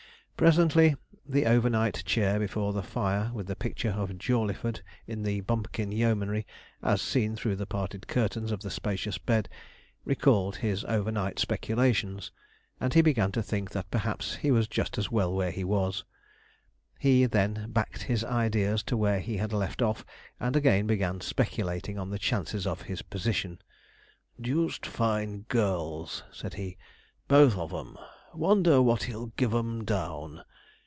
Presently the over night chair before the fire, with the picture of Jawleyford in the Bumperkin yeomanry, as seen through the parted curtains of the spacious bed, recalled his over night speculations, and he began to think that perhaps he was just as well where he was. He then 'backed' his ideas to where he had left off, and again began speculating on the chances of his position. 'Deuced fine girls,' said he, 'both of 'em: wonder what he'll give 'em down?'